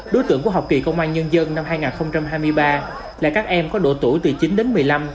đối tượng của học kỳ công an nhân dân năm hai nghìn hai mươi ba là các em có độ tuổi từ chín đến một mươi năm